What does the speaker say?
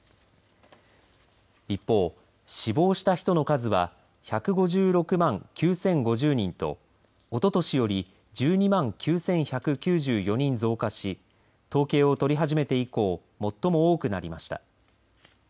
一方、死亡した人の数は１５６万９０５０人とおととしより１２万９１９４人増加し統計を取り始めて以降最も多くなりました。